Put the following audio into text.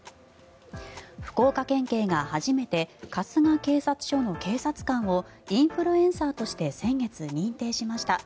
福岡県警が初めて春日警察署の警察官をインフルエンサーとして先月、認定しました。